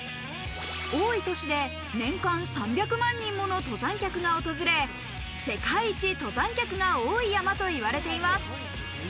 多い年で年間３００万人もの登山客が訪れ、世界一登山客が多い山と言われています。